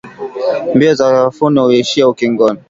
Mbio za sakafuni huishia ukingoni.